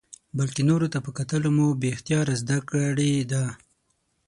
بلکې نورو ته په کتلو مو بې اختیاره زده کړې ده.